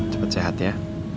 cepat sehat ya